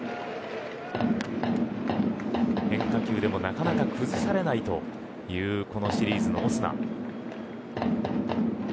変化球でもなかなか崩されないというこのシリーズのオスナ。